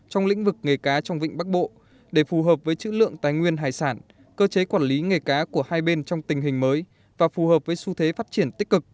trong lĩnh vực nghề cá trong vịnh bắc bộ để phù hợp với chữ lượng tài nguyên hải sản